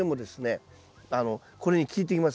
これに効いてきます。